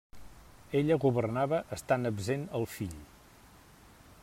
Ella governava estant absent el fill.